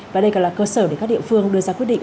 và đây còn là cơ sở để các địa phương đưa ra quyết định